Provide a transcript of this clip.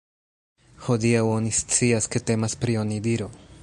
Hodiaŭ oni scias ke temas pri onidiro.